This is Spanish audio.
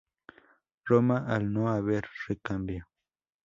Roma al no haber recambio.